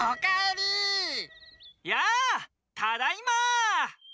やあただいま！